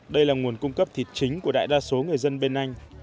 đây là nguồn cung cấp thịt chính của đại đa số người dân bên anh